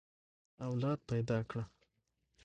اولاد پيدا کړه.